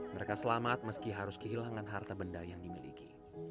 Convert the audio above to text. mereka selamat meski harus kehilangan harta benda yang dimiliki